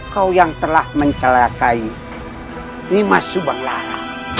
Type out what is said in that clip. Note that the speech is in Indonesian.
kau yang telah mencelakai nimas subang lara